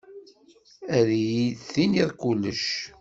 Ad iyi-d-tiniḍ kullec.